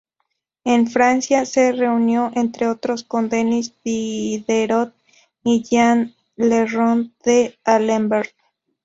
En Francia se reunió entre otros con Denis Diderot y Jean le Rond d'Alembert.